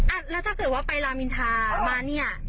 แล้วถ้าเกิดว่าไปรามินทามาเนี่ย